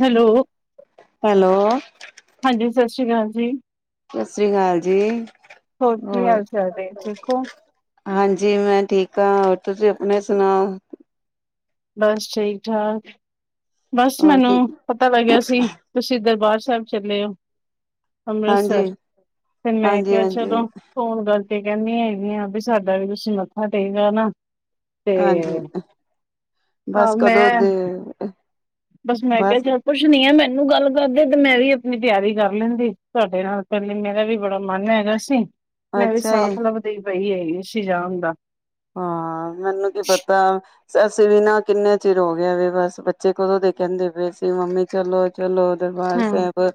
Hello, hello, ਹਾਂਜੀ ਸਤਿ ਸ੍ਰੀ ਅਕਾਲ ਜੀ, ਸਤਿ ਸ੍ਰੀ ਅਕਾਲ ਜੀ ਕੀ ਹੋਰ ਹਾਲ ਚਾਲ ਨੇ ਠੀਕ ਹੋ ਹਾਂਜੀ ਮੈਂ ਠੀਕ ਹਾਂ। ਤੁਸੀਂ ਆਪਣੇ ਸੁਣਾਓ? ਬਸ ਠੀਕ ਠਾਕ, ਬਸ ਹੋਰ ਮੈਨੂੰ ਕੀ ਪਤਾ ਲੱਗਿਆ ਸੀ ਤੁਸੀਂ ਦਰਬਾਰ ਸਭ ਚੱਲਓ। ਹਾਂਜੀ ਅੰਮ੍ਰਿਤਸਰ ਤੇ ਮੈਂ ਹਾਂਜੀ ਕਿਹਾ ਹਾਂਜੀ ਚਲੋ ਹੁਣ ਗਲ ਕਹਿੰਦੀ ਹੈਗੀ ਆ ਵੀ ਸਾਡਾ ਵੀ ਤੁਸੀਂ ਮੱਥਾ ਟੇਗਾ ਆਨਾ, ਹਾਂਜੀ, ਬਸ ਹਾਂ ਕਦੋਂ ਮੈਂ ਦੇ, ਬਸ ਮੈਂ ਕਿਹਾ ਚ ਕੁੱਛ ਨੀ ਆ ਮੈਨੂੰ, ਮੈਨੂੰ ਗੱਲ ਕਰਦੇ ਤੇ ਮੈਂ ਵੀ ਆਪਣੀ ਤਿਆਰੀ ਕਰ ਲੈਂਦੀ ਤੁਹਾਡੇ ਨਾਲ ਪਹਿਲੇ ਮੇਰਾ ਵੀ ਬੜਾ ਮਨ ਹੈਗਾ ਸੀ। ਮੈਂ ਵੀ ਅੱਛਾ ਏ ਸਾਥ ਲੱਭਦੀ ਪਈ ਐ। ਉਥੇ ਜਾਨ ਦਾ, ਅਸੀ ਵੀ ਨਾ ਕਿੰਨੇ ਚਿਰ ਹੋ ਗਿਆ ਵੇ ਬਸ ਬੱਚੇ ਕਦੋਂ ਦੇ ਕਹਿੰਦੇ ਪਏ ਸੀ ਮੰਮੀ ਚਲੋ ਚਲੋ। ਦਰਬਾਰ ਹੂੰ ਸਾਹਿਬ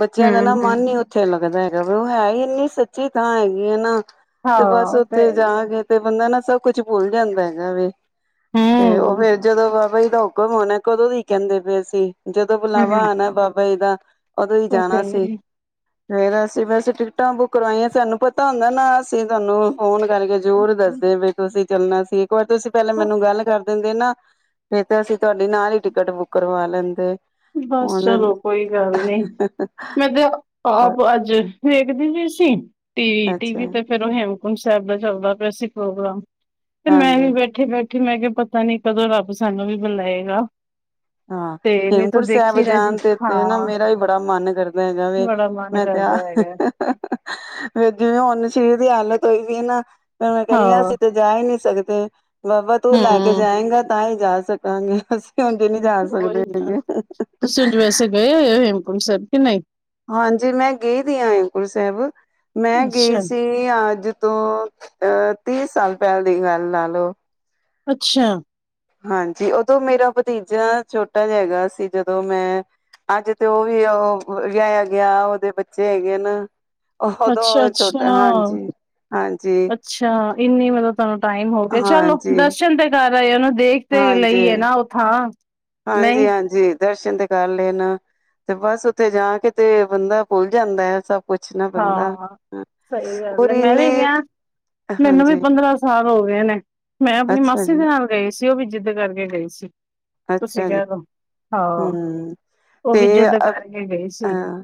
ਬੱਚਿਆਂ ਹੂੰ ਦਾ ਨਾ ਹੂੰ ਮਨ ਹੀ ਉੱਥੇ ਲੱਗਦਾ ਹੈ। ਉਹ ਹੈ ਹੀ ਇੰਨੀ ਸੱਚੀ ਥਾਂ ਹੈਗੀ ਹੈ ਨਾ, ਹਾਂ ਤੇ ਬਸ ਉਹ ਤੇ ਉੱਥੇ ਜਾ ਕੇ, ਬੰਦਾ ਨਾ ਸਭ ਕੁਛ ਭੁੱਲ ਜਾਂਦਾ ਹੈਗਾ ਵੇ ਤੇ ਉਹ ਹੂੰ, ਫੇਰ ਜਦੋਂ ਬਾਬਾ [unintelligible] ਮਨ ਏ ਕਦੋਂ ਦੇ ਈ ਕਹਿੰਦੇ ਪਏ ਸੀ ਜਦੋਂ ਬੁਲਾਵਾ ਆਣਾ ਬਾਬਾ ਜੀ ਦਾ ਉਦੋਂ ਹੀ ਉਹ ਤੇ ਜਾਣਾ ਸੀ ਹੈ। ਫੇਰ ਅਸੀਂ ਵੈਸੇ ਟਿਕਟਾਂ ਬੁੱਕ ਕਰਵਾਈਆਂ ਸਾਨੂੰ ਪਤਾ ਹੁੰਦਾ ਨਾ ਅਸੀਂ ਤੁਹਾਨੂੰ ਫੋਨ ਕਰਕੇ ਹੋਰ ਦੱਸਦੇ ਪਏ ਤੁਸੀਂ ਚੱਲਣਾ ਸੀ ਤੁਸੀਂ ਪਹਿਲੇ ਮੈਨੂੰ ਗੱਲ ਕਰ ਦਿੰਦੇ ਨਾ ਫਿਰ ਤੇ ਅਸੀਂ ਤੁਹਾਡੀ ਨਾਲ ਹੀ ਟਿਕਟ ਬੁੱਕ ਕਰਵਾ ਲੈਂਦੇ ਬਸ ਹੁਣ ਚਲੋ ਕੋਈ ਗੱਲ ਨੀ ਮੈਂ ਤੇ ਆਪ ਅੱਜ ਵੇਖਦੀ ਪਈ C T V T V ਅੱਛਾ ਤੇ ਫੇਰ ਉਹ ਹੈ ਸਾਹਿਬ ਦਾ ਚੱਲਦਾ ਪਿਆ ਸੀ ਪ੍ਰੋਗਰਾਮ ਤੇ ਮੈਂ ਹਾਂਜੀ ਵੀ ਬੈਠੇ ਬੈਠੇ ਮੈਂ ਕਿਹਾ ਪਤਾ ਨੀ ਕਦੋਂ ਰੱਬ ਸਾਨੂੰ ਵੀ ਬੁਲਾਏ ਗਾ ਹਾਂ ਹੇਮ ਹਜੂਰ ਸਾਹਿਬ ਦਾ ਜੀ ਜਾਣ ਤੇ ਤੇ ਨਾ ਹਾਂ, ਮੇਰਾ ਹੀ ਬੜਾ ਮਨ ਕਰਦਾ। ਵੈ ਬੜਾ ਮਨ ਮੈਂ ਕਿਹਾ ਕਰਦਾ ਹੈਗਾ। ਫੇਰ ਜਿਵੇਂ ਹੁਣ ਸਰੀਰ ਦੀ ਹਾਲਤ ਹੋਈ ਪਈ ਐ ਨਾ ਮੈਂ ਕਹਿੰਨੀ ਆ ਹਾਂ, ਅਸੀਂ ਤੇ ਜਾ ਹੀ ਨੀ ਸਕਦੇ। ਤੇ, ਬਾਬਾ ਤੂੰ ਲੈ ਕੇ ਹੂੰ। ਜਾਏਂਗਾ ਤਾਂ ਹੀ ਜਾ ਸਕਾਂਗੇ ਅਸੀਂ, ਨਹੀਂ ਜਾ ਸਕਦੇ ਉਹੀ ਨਾ ਹੈਗੇ ਤੁਸੀਂ ਵੈਸੇ ਗਏ ਹੋਏ ਹੇਮ ਕੁੰਟ ਸਾਹਿਬ ਕਿ ਨਹੀਂ ਹਾਂਜੀ ਮੈਂ ਗਈ ਦੀ ਆ ਦਾ ਹੇਮਕੁੰਟ ਸਾਹਿਬ ਮੈਂ ਗਈ ਅੱਛਾ, ਸੀ ਅੱਜ ਤੋਂ ਅਹ ਤੀਹ ਸਾਲ ਪਹਿਲ ਦੀ ਗੱਲ ਲਾ ਲਓ। ਅੱਛਾ, ਹਾਂਜੀ ਉਦੋਂ ਮੇਰਾ ਭਤੀਜਾ ਛੋਟਾ ਜਿਹਾ ਹੈਗਾ ਸੀ ਜਦੋਂ ਮੈਂ ਅੱਜ ਤੇ ਉਹ ਵੀ ਵਿਆਹ ਇਆ ਗਿਆ ਉਹਦੇ ਬੱਚੇ ਹੈਗੇ ਨਾ ਉਹ ਉਦੋਂ ਛੋਟਾ ਅੱਛਾ-ਅੱਛਾ। ਹਾਂਜੀ-ਹਾਂਜੀ, ਅੱਛਾ ਇੰਨੀ ਮਤਲਬ ਤੁਹਾਨੂੰ ਟਾਈਮ ਹੋ ਗਿਆ, ਚਲੋ ਦਰਸ਼ਨ ਤੇ ਕਰ ਆਏ ਔ ਉਹਨੂੰ ਦੇਖ ਤੇ ਹਾਂਜੀ ਲਈਏ ਨਾ ਉਹ ਥਾਂ, ਹਾਂਜੀ ਨਹੀਂ ਹਾਂਜੀ ਦਰਸ਼ਨ ਤੇ ਕਰ ਲੈਣ ਤੇ ਬਸ ਉੱਥੇ ਜਾ ਕੇ ਤੇ ਬੰਦਾ ਭੁੱਲ ਜਾਂਦਾ ਹੈ ਸਭ ਕੁਛ ਨਾ ਬੰਦਾ ਹਾਂ, ਸਹੀ ਗੱਲ ਔਰ ਹੈ ਮੈਂ ਇੰਨੇ ਵੀ ਗਿਹਾ ਮੈਨੂੰ ਵੀ ਹਾਂਜੀ ਪੰਦਰਾਂ ਸਾਲ ਹੋਗੇ ਨੇ। ਮੈਂ ਆਪਣੀ ਅੱਛਾ ਮਾਸੀ ਦੇ ਜੀ ਨਾਲ ਗਈ ਸੀ ਉਹ ਵੀ ਜਿੱਦ ਕਰਕੇ ਗਈ। ਅੱਛ ਅੱਛਾ ਜੀ, ਹੂੰ ਉਹ ਤੇ ਵੀ ਜਿੱਦ ਅ ਕਰਕੇ ਗਈ ਸੀ ਹਹ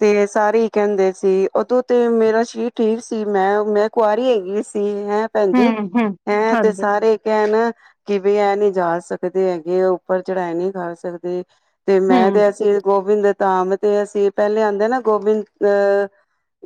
ਤੇ ਸਾਰੇ ਕਹਿੰਦੇ। ਸੀ ਉਦੋਂ ਤੇ ਮੇਰਾ ਸਰੀਰ ਠੀਕ ਸੀ ਮੈਂ ਮੈਂ ਕੁਆਰੀ ਹੈਗੀ ਸੀ। ਹੈਂ ਭੈਣਜੀ ਹਮ ਹਮ ਹੈਂ ਤੇ ਹਾਂਜੀ ਸਾਰੇ ਕਹਿਣ ਕਿ ਵੀ ਐ ਨੀ ਜਾ ਸਕਦੇ। ਹੈਗੇ ਉੱਪਰ ਚੜ੍ਹਾਏ ਨਹੀਂ ਕਰ ਸਕਦੇ। ਤੇ ਮੈਂ ਹਮ ਤੇ ਅਸੀਂ ਗੋਬਿੰਦ ਤਾਂ ਤੇ ਅਸੀਂ ਪਹਿਲੇ ਆਦੇ ਨਾ ਗੋਬਿੰਦ ਅਹ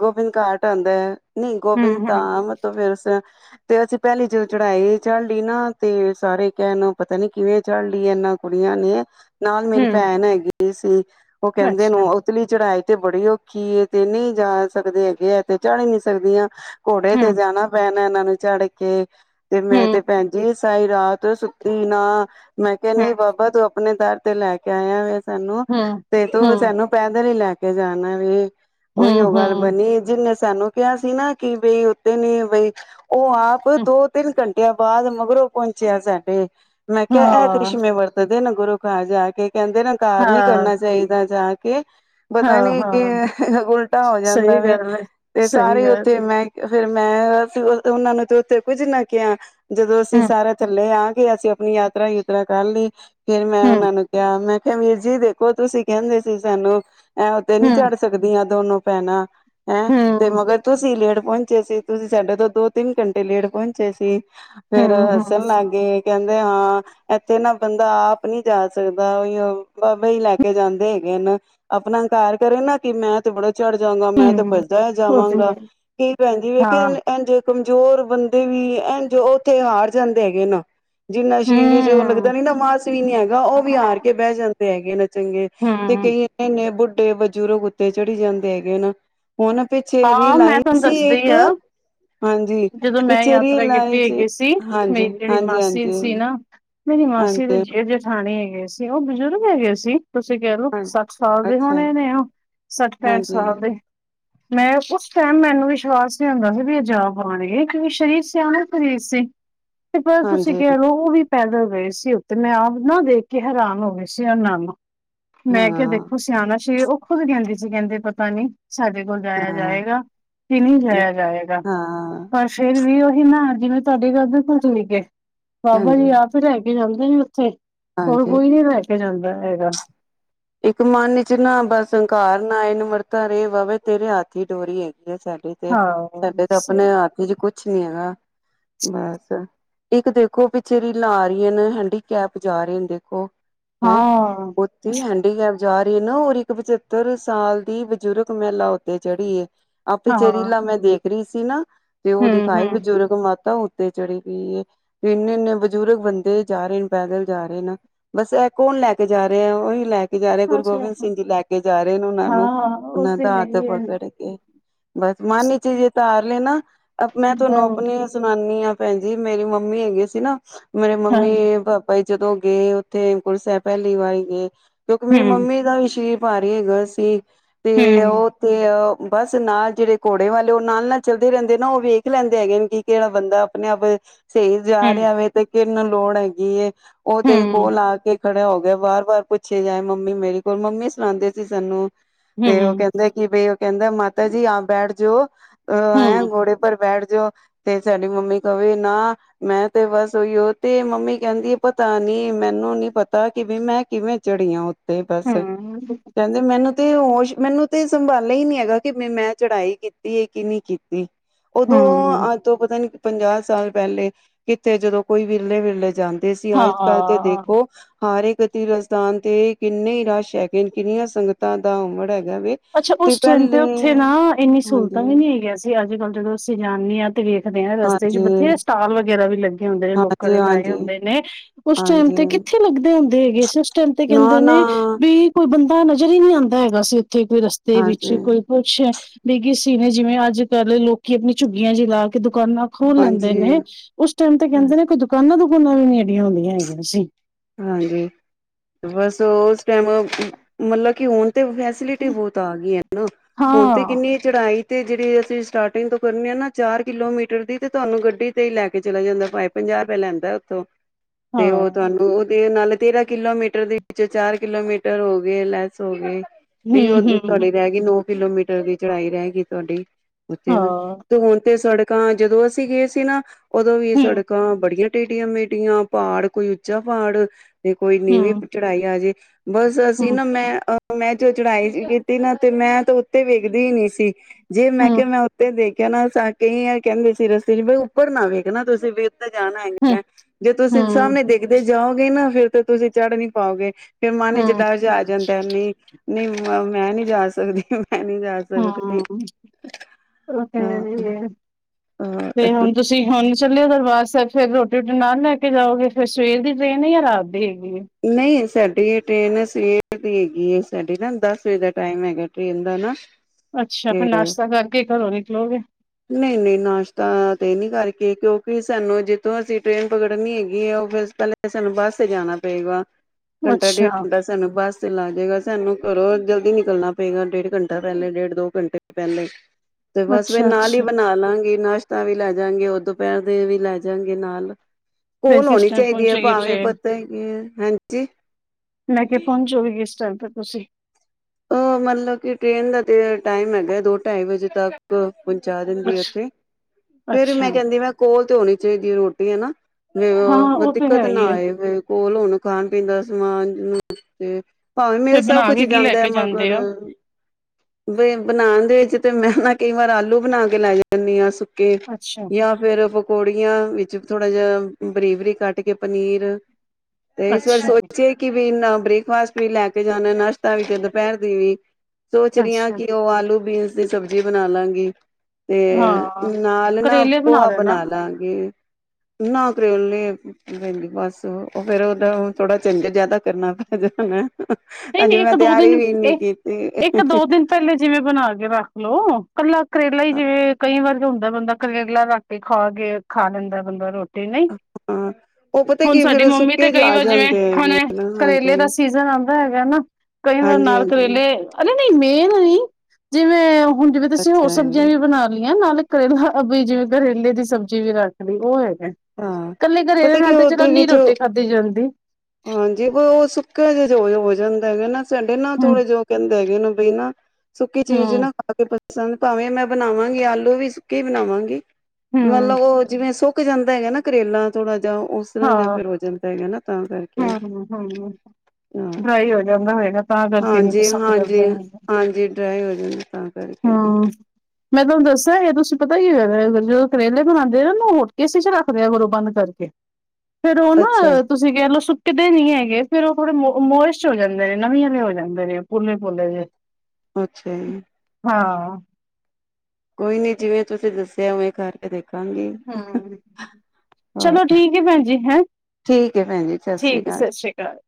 ਗੋਬਿੰਦ ਘਾਟ ਆਦਾ ਐ। ਨਹੀਂ ਗੋਬਿੰਦ ਹਮ ਹਮ ਤਾਮ ਤਾਂ ਮੈਂ ਫੇਰ ਤੇ ਅਸੀਂ ਪਹਿਲੀ ਜਦੋਂ ਚੜ੍ਹਾਈ ਚੜ੍ਹ ਲਈ ਨਾ ਤੇ ਸਾਰੇ ਕਹਿਣ ਪਤਾ ਨੀ ਕਿਵੇਂ ਚੜ ਲਈਏ ਇਹਨਾਂ ਕੁੜੀਆਂ ਨੇ ਨਾਲ ਮੇਰੀ ਹਮ ਭੈਣ ਹੈਗੀ। ਇਹ ਸੀ। ਉਹ ਕਹਿੰਦੇ ਨੇ ਅੱਛਾ ਉਤਲੀ ਚੜਾਈ ਤੇ ਬੜੀ ਔਖੀ ਹੈ ਤੇ ਨਹੀਂ ਜਾ ਸਕਦੇ ਹੈਗੇ ਹੈ, ਤੇ ਚ੍ਹੜ ਹੀ ਨੀ ਸਕਦੀਆਂ। ਘੋੜੇ ਤੇ ਹਮ ਜਾਣਾ ਪੈਣਾ। ਇਹਨਾਂ ਨੂੰ ਚੜ੍ਹ ਕੇ। ਤੇ ਮੈਂ ਹਮ ਤੇ ਭੈਣ ਜੀ ਸਾਰੀ ਰਾਤ ਸੁਤੀ ਨਾ। ਮੈਂ ਕਿਹਾ ਨਹੀ ਹਮ ਬਾਬਾ ਤੂੰ ਆਪਣੇ ਦਰ ਤੇ ਲੈ ਕੇ ਆਇਆ ਵੇ। ਤੁਹਾਨੂੰ ਹਮ ਤੇ ਤੂੰ ਹਮ ਸਾਨੂੰ ਪੈਦਲ ਹੀ ਲੈ ਜਾਣਾ ਵੇ। ਉਹੀ ਉਹ ਹਮ ਗੱਲ ਹਮ ਬਣੀ ਏ ਜਿੰਨੇ ਸਾਨੂੰ ਕਿਹਾ ਸੀ ਨਾ ਕਿ ਬਈ ਉੱਥੇ ਨੇ ਬਈ ਉਹ ਆਪ ਦੋ-ਤਿੰਨ ਘੰਟੇ ਤੇ ਆਪ ਬਾਅਦ ਮਗਰੋਂ ਪਹੁੰਚਿਆ ਸਾਡੇ। ਕੈ ਐਹ ਹਾਂ ਕ੍ਰਿਸ਼ਮੇ ਵਰਤਦੇ ਨੇ। ਗੁਰੂ ਘਰ ਜਾ ਕੇ। ਕਹਿੰਦੇ ਨਾ ਹੰਕਾਰ ਨੀ ਹਾਂ ਕਰਨਾ ਚਾਹੀਦਾ ਜਾਂ ਕੇ। ਪਤਾ ਹਾਂ ਨਹੀਂ ਹਾਂ ਕਿ ਉਲਟਾ ਹੋ ਜਾਂਦਾ ਸਹੀ ਵ, ਗੱਲ ਹੈ, ਤੇ ਸਹੀ ਸਾਰੇ ਗੱਲ ਉੱਥੇ ਹੈ। ਮੈਂ ਫ਼ਿਰ ਮੈਂ ਉਹਨਾਂ ਨੂੰ ਤੇ ਉੱਥੇ ਕੁੱਝ ਨਾ ਕਿਹਾ। ਜਦੋਂ ਅਸੀਂ ਹੂੰ, ਸਾਰਾ ਚੱਲੇ ਹਾਂ। ਫ਼ੇਰ ਅਸੀਂ ਆਪਣੀ ਯਾਦ [unintelligible] ਕੱਲ੍ਹ ਹੀ। ਫ਼ਿਰ ਮੈਂ ਹੂੰ, ਉਹਨਾਂ ਨੂੰ ਕਿਹਾ, ਮੈਂ ਹੇ ਵੀਰ ਜੀ ਦੇਖੋ ਤੁਸੀਂ ਕਹਿੰਦੇ ਸੀ ਸਾਨੂੰ ਐਂ ਤੇ ਨੀ ਹੂੰ, ਚੜ੍ਹ ਸਕਦੀਆਂ ਦੋਨੋ। ਭੈਣਾ ਹੈਂ ਹੂੰ, ਤੇ ਹੂੰ, ਮਗਰ ਤੁਸੀਂ ਲੇਟ ਪਹੁੰਚੇ ਸੀ ਤੁਸੀਂ ਸਾਡੇ ਤੋਂ ਦੋ, ਤਿੰਨ ਘੰਟੇ ਲੇਟ ਪਹੁੰਚੇ ਸੀ। ਫੇਰ ਹੂੰ। ਹੱਸਣ ਲੱਗ ਗਏ। ਕਹਿੰਦੇ ਹਾਂ। ਇੱਥੇ ਨਾ ਬੰਦਾ ਆਪ ਨੀ ਜਾ ਸਕਦਾ, ਉਹੀਓ ਬਾਬਾ ਹੀ ਲੈ ਕੇ ਜਾਂਦੇ ਹੈਗੇ ਨਾ, ਆਪਣਾ ਹੰਕਾਰ ਕਰੇ ਨਾ ਕਿ ਮੈਂ ਤੇ ਬੜੇ ਚੜ ਜਾਗਾ ਮੈਂ ਤਾਂ ਹੂੰ ਭੱਜਦਾ ਹੀ ਉਹ ਤੇ ਜਾਵਾਂਗਾ, ਹੈ, ਕੀ ਭੈਣ ਜੀ ਵੇਖਿਆ ਹਾਂ, ਇੰਜ ਕਮਜ਼ੋਰ ਬੰਦੇ ਵੀ ਐ ਇੰਜ ਉੱਥੇ ਹਾਰ ਜਾਂਦੇ ਹੈਗੇ ਨਾ, ਜਿਹਨਾ ਜੋ ਹੂੰ। ਲੱਗਦਾ ਨੀ ਨਾ ਮਾਸ ਵੀ ਨੀ ਹੈਗਾ, ਉਹ ਵੀ ਹਾਰ ਕੇ ਬਹਿ ਜਾਂਦੇ ਹੈਗੇ ਨਾ ਚੰਗੇ ਤੇ ਹੂੰ, ਕਈ ਇਨੇ ਬੁੱਢੇ ਬਜ਼ੁਰਗਾਂ ਉੱਤੇ ਚੜੀ ਜਾਂਦੇ ਹੈਗੇ ਨਾ ਹੁਣ ਪਿੱਛੇ ਹਾਂ ਰੀਲ ਮੈਂ ਆਈ ਤੁਹਾਨੂੰ ਸੀ ਇੱਕ ਦੱਸਦੀ ਆ। ਹਾਂਜੀ ਜਦੋਂ ਮੈਂ ਪਿੱਛੇ ਯਾਤਰਾ ਰੀਲ ਲਾਈ ਕੀਤੀ ਸੀ ਹੈਗੀ ਮੇਰੀ ਜਿਹੜੀ ਮਾਸੀ ਹਾਂਜੀ-ਹਾਂਜੀ-ਹਾਂਜੀ। ਸੀ ਨਾ ਮੇਰੀ ਮਾਸੀ ਦੇ ਜੇਠ ਜਿਠਾਣੀ ਹੈਗੇ ਸੀ ਉਹ ਬਜ਼ੁਰਗ ਹੈਗੇ ਸੀ। ਤੁਸੀਂ ਕਹਿ ਲਓ ਹਾਂ ਸੱਠ ਸਾਲ ਦੇ ਅੱਛਾ ਹੋਣੇ ਨੇ ਉਹ ਸੱਠ ਪੈਂਹਠ ਹਾਂਜੀ ਸਾਲ ਦੇ ਮੈਂ ਉਸ ਟਾਈਮ ਮੈਨੂੰ ਵਿਸ਼ਵਾਸ ਨਹੀਂ ਹੁੰਦਾ ਸੀ ਕਿ ਐ ਜਾ ਪਾਣਗੇ ਕਿਉਂਕਿ ਸਰੀਰ ਸਿਆਣੇ ਸੀ। ਤੇ ਪਰ ਤੁਸੀਂ ਹਾਂਜੀ ਕਹਿ ਲਓ ਉਹ ਵੀ ਪੈਦਲ ਗਏ ਸੀ ਉਤੇ ਮੈਂ ਆਪ ਨਾ ਦੇਖ ਕੇ ਹੈਰਾਨ ਹੋ ਗਈ ਸੀ ਉਹ ਨਾਮ ਹਾਂ ਮੈਂ ਕਿਹਾ ਦੇਖੋ ਸਿਆਣਾ ਸ਼ਰੀਰ ਉਹ ਖੁਦ ਕਹਿੰਦੀ ਸੀ ਕਹਿੰਦੇ ਪਤਾ ਨੀ ਸਾਡੇ ਬਲਾਇਆ ਹਾਂ ਜਾਏਗਾ ਕਿ ਨਹੀਂ ਜਾਇਆ ਜਾਏਗਾ ਹਾਂ, ਪਰ ਫਿਰ ਵੀ ਉਹ ਨਾ ਜਿਵੇਂ ਤੁਹਾਡੀ ਗੱਲ ਤਾ ਬਿਲਕੁਲ ਠੀਕ ਐ। ਬਾਬਾ ਹਾਂਜੀ। ਜੀ ਆਪ ਹੀ ਲੇਕੇ ਜਾਂਦੇ ਨੀ ਉੱਥੇ ਹੋਰ ਹਾਂਜੀ, ਕੋਈ ਨਹੀਂ ਲੈ ਕੇ ਜਾਂਦਾ ਹੈਗਾ। ਇੱਕ ਮਨ ਚ ਨਾ ਬਸ ਹੰਕਾਰ ਨਾ ਆਏ ਨਿਮਰਤਾ ਰੇ ਬਾਬੇ ਤੇਰੇ ਹਾਥੀ ਡੋਰੀਏ। ਸਾਡੇ ਤੇ ਹਾਂ ਸਾਡੇ ਤਾਂ ਸਹੀ ਆਪਣੇ ਹੱਥ ਚ ਕੁਛ ਕੁਛ ਨੀ ਹੈਗਾ ਬਸ ਇੱਕ ਦੇਖੋ ਪਿੱਛੇ ਰੀਲਾਂ ਆ ਰਹੀਆਂ ਨੇ ਹੈਂਡੀਕੈਪ ਜਾ ਰਹੇ ਨੇ ਦੇਖੋ। ਹੈ ਹਾਂ ਉੱਥੇ ਹੈ। ੜੀ ਜਾ ਰਹੀ ਨਾ ਰ ਇੱਕ ਪਚੱਤਰ ਸਾਲ ਦੀ ਬਜ਼ੁਰਗ ਮਹਿਲਾ ਉੱਥ ਚੜ੍ਹੀ ਐ ਆਪੇ ਹਾਂ ਰੀਲਾ ਮੈਂ ਦੇਖ ਤ੍ਰੀ ਸੀ ਨਾ, ਤੇ ਉਹ ਹੂੰ ਦਿਖਾਏ ਹੂੰ ਬਜ਼ੁਰਗ ਮਾਤਾ ਉਤੇ ਚੜੀ ਪਈਏ ਵੀ ਇੰਨੇ ਇੰਨੇ ਬਜ਼ੁਰਗ ਬੰਦੇ ਜਾ ਰਹੇ ਨੇ ਪੈਦਲ ਜਾ ਰਹੇ ਨੇ ਬਸ ਇਹ ਕੌਣ ਲੈ ਕੇ ਜਾ ਰਹੇ ਆ ਉਹੀ ਲੈ ਕੇ ਜਾ ਰਹੇ ਗੁਰੂ ਗੋਬਿੰਦ ਸਿੰਘ ਜੀ ਲੈ ਕੇ ਜਾ ਰਹੇ ਨੇ ਉਹਨਾਂ ਨੂੰ ਹਾਂ ਉਹ ਉਹਨਾਂ ਤੇ ਦਾ ਹੱਥ ਹੈਗੀ ਹੈ ਪਕੜ ਕੇ ਬਸ ਮਾਨ ਚ ਜੇ ਧਾਰਲੇ ਨਾ ਮੈਂ ਤੁਹਾਨੂੰ ਹਾਂ ਆਪਣੇ ਸੁਣਾਨਣੀ ਹਾਂ। ਭੈਣਜੀ ਮੇਰੀ ਮੰਮੀ ਹੈਗੀ ਸੀ ਨਾ, ਮਰੇ ਹਾਂ ਮੰਮੀ ਪਾਪਾ ਜਦੋਂ ਗਏ ਉੱਥੇ ਹੇਮਕੁੰਟ ਸਾਹਿਬ ਪਹਿਲੀ ਵਾਰੀ ਗਏ। ਕਿਉਂਕਿ ਮੇਰੀ ਹੂੰ ਮੰਮੀ ਦਾ ਵੀਸ਼ੀ, ਭਾਰੀ ਹੈਗਾ ਸੀ। ਤੇ ਹੂੰ ਉਹ ਤੇ ਬਸ ਨਾਲ ਜਿਹੜੇ ਘੋੜੇ ਵਾਲੇ ਉਹ ਨਾਲ ਨਾਲ ਚੱਲਦੇ ਰਹਿੰਦੇ ਨਾ ਉਹ ਵੇਖ ਲੈਂਦੇ ਹੈਗੇ ਨੇ ਕਿ ਕਿਹੜਾ ਬੰਦਾ ਆਪਣੇ ਆਪ ਸਰ ਜਾ ਹੂੰ ਰਿਹਾ ਵਵੇ ਤੇ ਕਿੰਨ ਲੋੜ ਹੈਗੀ ਉਹ ਤੇ ਹੂੰ ਕੋਲ ਆ ਕੇ ਖੜੇ ਹੋ ਗਿਆ ਬਾਰ ਬਾਰ ਪੁ ਪਿੱਛੇ ਜਾਏ ਮੰਮੀ ਮੇਰੇ ਕੋਲ ਮੰਮੀ ਸੁਣਾਉਂਦੇ ਸੀ ਸਾਨੂੰ। ਹੂੰ, ਤੇ ਉਹ ਕਹਿੰਦੇ ਕਿ ਬਈ ਉਹ ਕਹਿੰਦਾ ਮਾਤਾ ਜੀ ਆਪ ਬੈਠ ਜਾਓ। ਆ ਹੂੰ, ਘੋੜੇ ਪਰ ਬੈਠ ਤੇ ਸਾਡੀ ਮੰਮੀ ਕਵੇ ਨਾ ਮੈਂ ਤੇ ਬਸ ਉਹੀਓ ਤੇ ਮੰਮੀ ਕਹਿੰਦੀ ਪਤਾ ਨੀ ਮੈਨੂੰ ਨੀ ਪਤਾ ਕਿ ਵੀ ਮੈਂ ਕਿਵੇਂ? ਚੜੀਆਂ ਤੇ ਬਸ ਹੂੰ, ਕਹਿੰਦੇ ਮੈਨੂੰ ਤੇ ਉਹ ਮੈਨੂੰ ਤੇ ਸੰਭਾਲਿਆ ਹੀ ਨਹੀਂ ਹੈਗਾ ਕਿ ਮੈਂ ਚੜ੍ਹਾਈ ਕੀਤੀ ਹੈ ਕਿ ਨਹੀਂ ਕੀਤੀ। ਹੂੰ, ਉਦੋਂ ਤੋਂ ਪਤਾ ਨੀ? ਪੰਜਾਹ ਸਾਲ ਪਹਿਲੇ ਕਿੱਥੇ ਜਦੋਂ ਕੋਈ ਵਿਰਲੇ- ਵਿਰਲੇ ਜਾਂਦਾ। ਸੀ ਅੱਜ ਕੱਲ ਤੇ ਹਾਂ। ਦੇਖੋ! ਹਰ ਇੱਕ ਤੀਰ ਸਥਾਨ ਤੇ ਕਿੰਨੇ ਹੀ ਰਸ਼ ਹੈਗੇ ਕਿੰਨੀਆਂ ਸੰਗਤਾਂ ਦਾ [unintelligible] ਅੱਛਾ ਉਸ ਟੇ੍ਨ ਤੇ ਉੱਥੇ ਨਾ ਇੰਨੀ ਸਹੂਲਤਾਂ ਹਾਂਜੀ ਵੀ ਨੀ ਹੈਗੀਆਂ ਸੀ। ਅੱਜ ਕੱਲ ਜਦੋਂ ਅਸੀਂ ਜਾਣੇ ਹਾਂ ਤੇ ਵੇਖ, ਦੇ ਰਸਤੇ ਚ ਹਾਂਜੀ ਬਥੇਰੇ ਸਟਾਲ। ਵਗੈਰਾ ਵੀ ਲੱਗ ਹੁੰਦੇ ਨੇ ਲੋਕਾਂ ਦੇ ਹਾਂਜੀ ਲਾਏ ਹਾਂਜੀ ਹੁੰਦੇ ਨੇ ਉਸ ਟਾਈਮ ਹਾਂਜੀ ਤੇ ਕਿੱਥੇ ਲੱਗਦੇ ਹੁੰਦੇ। ਹੈਗੇ ਸੀ ਉਸ ਟਾਈਮ ਤੇ ਨਾ ਕਹਿੰਦੇ ਨਾ ਨੇ ਵੀ ਕੋਈ ਬੰਦਾ ਨਜ਼ਰ ਨੀ ਆਂਦਾ ਹੈਗਾ ਸੀ ਉੱਥੇ ਕੋਈ ਰਸਤੇ ਵਿੱਚ ਹਾਂਜੀ ਕੋਈ ਕੁੱਛ [unintelligible] ਜਿਵੇਂ ਜਿਵੇਂ ਅੱਜ ਕੱਲ੍ਹ ਲੋਕੀ ਆਪਣੀ ਝੁੱਗੀਆਂ ਜੀ ਲਾ ਕੇ ਦੁਕਾਨਾਂ ਖੋਲ ਲੈਂਦੇ ਹਾਂਜੀ ਨੇ। ਉਸ ਟਾਈਮ ਤੇ ਕਹਿੰਦੇ ਨੇ ਹਾਂਜੀ ਕੋਈ ਦੁਕਾਨਾਂ ਦ [unintelligible] ਹੁੰਦੀਆਂ ਹੈਗੀਆਂ ਸੀ। ਹਾਂਜੀ ਬਸ ਉਸ ਟਾਈਮ ਮਤਲਬ ਕਿ ਹੁਣ! ਫੈਸਿਲਿਟੀ ਬਹੁਤ ਆ ਗਈ ਏ ਨਾ ਹੁਣ ਤੇ ਹਾਂ। ਕਿੰਨੀ ਚੜਾਈ! ਤੇ ਜਿਹੜੀ ਅਸੀਂ ਸਟਾਰਟਿੰਗ ਤੋਂ ਕਰਨੀ ਆ ਨਾ ਚਾਰ ਕਿਲੋਮੀਟਰ ਦੀ ਤੇ ਤੁਹਾਨੂੰ ਗੱਡੀ ਤੇ ਹੀ ਲੈ ਕੇ ਚਲਾ ਜਾਂਦਾ ਭਾਵੇ ਪੰਜਾਹ ਰੁਪਆ ਲੈਂਦਾ ਉੱਥੋਂ। ਹਾਂ, ਤੇ ਉਹ ਹੂੰ, ਤੁਹਾਨੂੰ ਨਾਲੇ ਤੇਰਾਂ ਕਿਲੋਮੀਟਰ ਦੇ ਵਿੱਚ ਚਾਰ ਕਿਲੋਮੀਟਰ ਹੋ ਗਏ ਲੈਸ ਹੋ ਗਏ। ਤੇ ਉਹ ਹੂੰ, ਹੂੰ, ਤੁਹਾਡੇ ਰਹਿ ਗਏ ਨੋ। ਕਿਲੋਮੀਟਰ ਦੀ ਚੜਾਈ ਰਏਗੀ ਤੁਹਾਡੀ [unintelligible] ਤੇ ਹਾਂ, ਤੇ ਹੁਣ ਤੇ ਸੜ ਕਾਂ ਜਦੋਂ ਅਸੀਂ ਗਏ ਸੀ ਨਾ ਓਦੋਂ ਵੀ ਏ ਹੂੰ, ਸੜਕਾਂ ਬੜੀਆਂ ਟੇਡੀਆਂ ਮੇਡੀਆਂ ਪਹਾੜ ਕੋਈ ਉੱਚਾ ਪਹਾੜ ਤੇ ਕੋਈ ਨੀਵੀਂ ਹੂੰ, ਚੜਾਈ ਆਜੇ ਬਸ ਅਸੀਂ ਹੂੰ। ਨਾ ਮੈਂ ਮੈਂ ਜੋ ਚੜਾਈ ਕੀਤੀ ਨਾ ਤੇ ਮੈਂ ਤਾਂ ਉੱਤੇ ਵੇਖਦੀ ਈ ਨੀ ਸੀ। ਜੇ ਮੈਂ ਹੂੰ, ਕਿਆ ਮੈਂ ਉੱਤੇ ਦੇ ਖਿਆ [unintelligible] ਕਹਿੰਦੇ ਸੀ ਰਸਤੇ ਚ ਵੀ ਉੱਪਰ ਨਾ ਵੇਖਣਾ ਤੁਸੀਂ ਵੀ ਜਾਣਾ ਹੂੰ, [unintelligible] ਜੇ ਤੁਸੀਂ ਹੂੰ, ਸਾਹਮਣੇ ਦੇਖ ਜਾਓਗੇ ਨਾ ਫੇਰ ਤੇ ਤੁਸੀਂ ਚੜ੍ਹ ਨੀ ਪਾਓਗੇ। ਫੇਰ ਮਨ ਵਿੱਚ ਹੂੰ, ਡਰ ਜਾ ਆ ਜਾਂਦਾ ਨੀ ਨਹੀਂ ਮ ਮੈਂ ਨੀ ਜਾ ਸਕਦੀ। ਮੈਂ ਨਹੀਂ ਜਾ ਸਕਦੀ ਹਾਂ [unintelligible] ਹਾਂ ਹਾਂ ਤੇ ਹੁਣ ਤੁਸੀਂ ਹੁਣ ਚੱਲਿਓ ਦਰਬਾਰ ਸਾਹਿਬ ਫਿਰ ਰੋਟੀ ਨਾਲ ਲੈ ਕੇ ਜਾਓਗੇ ਫੇਰ ਸਵੇਰ ਦੀ ਟ੍ਰੇਨ ਆ ਯਾ ਰਾਤ ਦੀ। ਹੈਗੀ ਏ? ਨਈ ਸਾਡੀ ਟ੍ਰੇਨ ਸੀ [unintelligible] ਹੈਗੀ ਏ ਸਾਡੇ ਨਾ ਦਸ ਵਜੇ ਦਾ ਟਾਈਮ ਹੈਗਾ ਟ੍ਰੇਨ ਦਾ ਨਾ। ਅੱਛਾ ਫਿਰ ਨਾਸ਼ਤਾ ਕਰਕੇ ਘਰੋਂ ਨੀ ਨਿਕਲੋਗੇ। ਨਈ ਨਈ ਨਾਸ਼ਤਾ ਤੇ ਨੀ ਕਰਕੇ ਕਿਉਂਕਿ ਸਾਨੂੰ ਜਿੱਥੋਂ ਅਸੀਂ ਟ੍ਰੇਨ ਪਕੜਨੀ ਹੈਗੀ ਆ ਉਹ ਫਿਰ ਪਹਿਲਾਂ ਸਾਨੂੰ ਬੱਸ ਤੇ ਜਾਣਾ ਪਏਗਾ। ਘੰਟਾ ਡੇਢ ਅੱਛਾ, ਘੰਟਾ ਸਾਨੂੰ ਬੱਸ ਤੇ ਲਗ ਜੇਗਾ ਸਾਨੂੰ ਘਰੋ ਜਲਦੀ ਨਿਕਲਣਾ ਪਏਗਾ ਡੇਢ ਘੰਟਾ ਪਹਿਲੇ ਡੇਢ ਦੋ ਘੰਟੇ ਪਹਿਲੇ ਤੇ ਬਸ ਫੇਰ ਅੱਛਾ, ਨਾਲ ਰੋਟੀ ਅੱਛਾ। ਬਣਾ ਲਾਂਗੇ ਨਾਸ਼ਤਾ ਵੀ ਲੈ ਜਾਗੇ ਓ ਦੁਪਹਿਰ ਦੇ ਵੀ ਲੈਜਾਗੇ ਨਾਲ ਫੇਰ ਕੋਲ ਕਿਸ ਹੋਣੀ ਟਾਈਮ ਚਾਹੀਦੀ ਐ ਪਹੁੰਚੇਗੀ ਭਾਵੇਂ ਟ੍ਰੇਨ, ਪਤਾ ਕਿ ਐ। ਹਾਂਜੀ। ਤਾਂ ਤੁਸੀਂ ਅ ਮਤਲਬ ਕਿ ਟ੍ਰੇਨ ਦਾ ਤੇ ਟਾਈਮ ਹੈਗਾ ਦੋ ਢਾਈ ਵਜੇ ਤੱਕ ਪਹੁੰਚਾ ਦਿੰਦੀ ਆ ਅੱਛਾ, ਉੱਥੇ ਫੇਰ ਅੱਛਾ ਮੈਂ ਕੈਂਦੀ ਮੈਂ ਕੋਲ ਤੇ ਹੋਣੀ ਚਾਹੀਦੀ ਰੋਟੀ ਹਨਾਂ। ਬੇ ਹਾਂ ਓ ਉਹ ਤੇ ਦਿੱਕਤ ਹੈ ਈ ਨਾ ਏ, ਆਏ। ਕੋਲ ਹੁਣ ਖਾਣ ਪੀਣ ਦਾ ਸਮਾਨ ਤੇ ਭਾਵੇਂ ਮਿਲ ਫੇਰ ਬਣਾ ਸਭ ਕੁੱਛ ਕੇ ਕੀ ਲੈ ਜਾਂਦਾ। ਕੇ ਮਗਰ ਜਾਂਦੇ ਓ? ਬਣਾਉਣ ਤੇ ਮੈਂ ਨਾ ਕਈ ਵਾਰ ਆਲੂ ਬਣਾ ਕੇ ਲੈ ਜਾਣੀ ਆ ਸੁੱਕੇ ਅੱਛਾ, ਜਾਂ ਫੇਰ ਕੌਲੀਆਂ ਵਿੱਚ ਥੋੜ੍ਹਾ ਜਿਹਾ ਬਰੀਕ ਬਰੀਕ ਕੱਟ ਕੇ ਪਨੀਰ ਤੇ ਇਸ ਵਾਰ ਅੱਛਾ, ਸੋਚਏ ਕਿ ਵੀ ਨਾ ਬ੍ਰੇਕਫਾਸਟ ਵੀ ਲੈ ਕੇ ਜਾਣਾ, ਨਾਸ਼ਤਾ ਵੀ ਤੇ ਦੁਪਹਿਰ ਦੀ ਵੀ ਸੋਚ ਰਹੀ ਹਾਂ, ਅੱਛਾ। ਕਿ ਉਹ ਆਲੂ ਬੀਨਸ ਫਿਰ ਸਬਜ਼ੀ ਬਣਾ ਲਾਂਗੀ। ਤੇ ਹਾਂ ਨਾਲ ਨਾ ਕਰੇਲੇ ਪੋਹਾ ਲੈਣਾ ਬਣਾ ਲਾਂਗੀ। ਨਾ ਕਰੇਲੇ ਭੈਣ ਜੀ ਬਸ, ਉਹ ਫੇਰ ਉਹਦਾ ਥੋੜਾ ਝੰਜਟ ਜਿਆਦਾ ਕਰਨਾ ਪੈ ਜਾਣਾ । ਨਹੀਂ ਅੱਜ ਨਹੀਂ ਮੈਂ ਇੱਕ ਦੋ ਤਿਆਰੀ ਦਿਨ, ਵੀ ਨੀ ਇੱਕ ਕੀਤੀ ਦੋ ਦਿਨ ਪਹਿਲੇ ਜਿਵੇਂ ਬਣਾ ਕੇ ਰੱਖ ਲੋ। ਇਕੱਲਾ ਕਰੇਲਾ ਹੀ ਜਿਵੇਂ ਕਈ ਵਾਰੀ ਹੁੰਦਾ, ਬੰਦਾ ਕਰੇਲਾ ਰੱਖ ਕੇ ਖਾ ਕੇ ਖਾ ਲੈਂਦਾ ਬੰਦਾ ਰੋਟੀ। ਨਹੀਂ, ਹਾਂ ਉਹ ਪਤਾ ਹੁਣ ਕੀ ਸਾਡੀ ਫੇਰ ਮੰਮੀ ਤੇ ਸੁੱਕੇ ਜੇ ਕਈ ਆ ਵਾਰ, ਜਿਵੇਂ ਜਾਂਦੇ ਹੈਗੇ ਹੁਣੇ ਨਾ ਕਰੇਲੇ ਹਾਂਜੀ ਦਾ ਸੀਜਨ ਆ ਹੈਗਾ ਨਾ, ਕਈ ਵਾਰ ਹਾਂਜੀ ਨਾਲ ਹਾਂਜੀ ਕਰੇਲੇ ਅਰੇ ਨਹੀਂ ਮੇਲ ਨਹੀਂ ਜਿਵੇਂ ਹੁਣ ਜਿਵੇਂ ਤੁਸੀਂ ਹੋਰ ਅੱਛਾ ਸਬਜ਼ੀਆਂ ਜੀ। ਵੀ ਬਣਾ ਲਈ ਨਾਲੇ ਕਰੇਲਾ ਵੀ ਜਿਵੇਂ, ਕਰੇਲੇ ਦੀ ਸਬਜ਼ੀ ਵੀ ਰੱਖ ਲਈ ਹੋਰ। ਹਾਂ, ਪਤਾ ਕੀ ਉਹਦੇ ਨੀ ਵਿੱਚ ਰੋਟੀ ਖਾਧੀ ਜਾਂਦੀ ਹਾਂਜੀ, ਉਹ ਸੁੱਕਿਆ ਜਿਹਾ ਜੋ ਹੋ ਜਾਂਦਾ। ਹੈਗਾ ਨਾ। ਸਾਡੇ ਨਾ ਹੂੰ ਥੋੜੇ ਜੇਹੇ ਉਹ ਕਹਿੰਦੇ ਹੈਗੇ ਤੇ ਨਾ ਸੁੱਕੀ ਚੀਜ਼ ਹੂੰ ਨਾ ਖਾ ਕੇ ਪਸੰਦ ਭਾਵੇਂ ਮੈਂ ਬਣਾਵਾਂਗੀ, ਆਲੂ ਵੀ ਸੁੱਕੀ ਬਣਾਵਾਂਗੀ। ਹੂੰ ਮਤਲਬ ਉਹ ਜਿਵੇਂ ਸੁ ਸੁੱਕ ਜਾਂਦਾ। ਹੈਗਾ ਨਾ ਕਰੇਲਾ ਥੋੜਾ ਜਿਹਾ ਉਸ ਤਰ੍ਹਾਂ ਦਾ ਹਾਂ, ਫਿਰ ਹੋ ਜਾਂਦਾ ਹੈਗਾ ਨਾ ਤਾਂ ਕਰਕੇ ਹੂੰ ਹੂੰ ਹੂੰ, ਹਾਂ ਡਰਾਈ ਹੋ ਜਾਂਦਾ ਹੋਏਗਾ ਤਾਂ ਕਰਕੇ ਨੀ ਹਾਂਜੀ ਪਸੰਦ ਕਰਦਾ, ਹਾਂਜੀ ਹਾਂਜੀ ਡਰਾਈ ਹੋ ਜਾਂਦਾ ਤਾਂ ਕਰਕੇ ਹੂੰ, ਮੈਂ ਤੁਹਾਨੂੰ ਦੱਸਾ ਇਹ ਤੁਸੀਂ ਪਤਾ ਕੀਂ ਕਰਿਆ ਕਰੋ ਕਰੇਲੇ ਬਣਾਉਂਦੇ ਉ, ਇਹ ਨੂੰ ਹੋਟ ਕੇਸ ਚ ਰੱਖ ਦਿਆ ਕਰੋ ਬੰਦ ਕਰਕੇ। ਫੇਰ ਉਹ ਨਾ ਅੱਛਾ ਤੁਸੀਂ ਕਹਿ ਲਓ ਕਿਤੇ ਨੀ ਹੈਗੇ ਫੇਰ ਉਹ ਥੋੜੇ ਮੋਇਸ ਹੋ ਜਾਂਦੇ ਨੇ, ਨਵੇਂ ਨਵੇਂ ਹੋ ਜਾਂਦੇ ਨੇ, ਪੋਲੇ ਪੋਲੇ ਜਿਹ ਅੱਛਾ ਜੀ। [unintelligible] ਕੋਈ ਨੀ ਜਿਵੇਂ ਤੁਸੀਂ ਦੱਸਿਆ ਉਵੇਂ ਕਰਕੇ ਦੇਖਾਗੀ? ਹੂੰ ਹੋਰ ਚਲੋ ਠੀਕ ਹੈ ਭੈਣ ਜੀ ਹੈਂ ਹੈ ਭੈਣ ਜੀ ਸਤਿ ਠੀਕ ਜੀ ਅਕਾਲ ਸਤਿ ਸ੍ਰੀ ਅਕਾਲ।